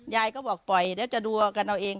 ยายก็บอกปล่อยแล้วจะดูกันเอาเอง